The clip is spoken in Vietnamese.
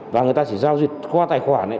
và người ta chỉ giao dịch qua tài khoản